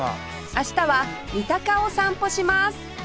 明日は三鷹を散歩します